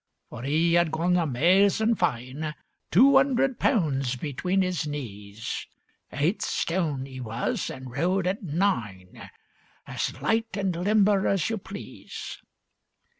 For 'e 'ad gone amazin' fine, Two 'undred pounds between 'is knees; Eight stone he was, an' rode at nine, As light an' limber as you please.